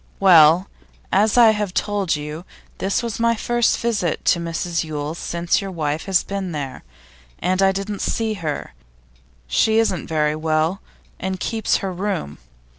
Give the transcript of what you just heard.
'Well, as I have told you, this was my first visit to Mrs Yule's since your wife has been there, and I didn't see her; she isn't very well, and keeps her room.